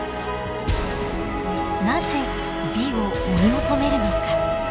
なぜ美を追い求めるのか。